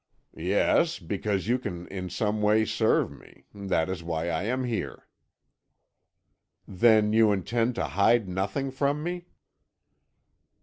"Yes, because you can in some way serve me that is why I am here." "Then you intend to hide nothing from me?"